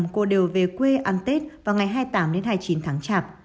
cô đều về quê ăn tết vào ngày hai mươi tám đến hai mươi chín tháng chạp